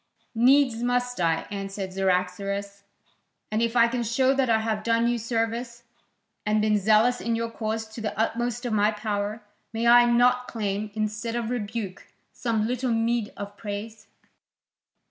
"Needs must I," answered Cyaxares. "And if I can show that I have done you service, and been zealous in your cause to the utmost of my power, may I not claim, instead of rebuke, some little meed of praise?"